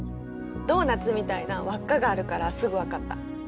ドーナツみたいな輪っかがあるからすぐ分かった。